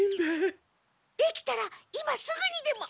できたら今すぐにでも。